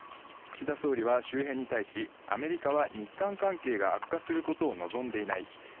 岸田総理は周辺に対し、アメリカは日韓関係が悪化することを望んでいない。